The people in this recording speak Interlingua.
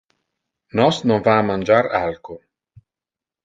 Nos non va a mangiar alco.